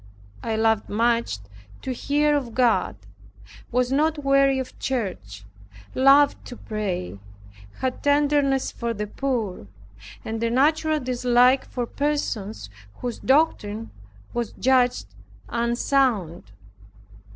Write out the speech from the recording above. I loved much to hear of God, was not weary of church, loved to pray, had tenderness for the poor, and a natural dislike for persons whose doctrine was judged unsound.